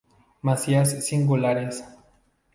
Masías singulares.